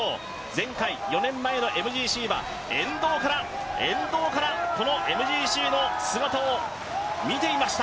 前回、４年前のＭＧＣは沿道からこのＭＧＣの姿を見ていました。